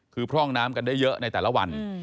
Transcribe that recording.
คือพร่องน้ำกันได้เยอะในแต่ละวัน